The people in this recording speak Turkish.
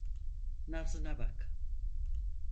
Nabzına bak.